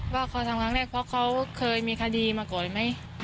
ว่าเขาทำครั้งแรกเพราะเขาเคยมีคดีมาก่อนไหม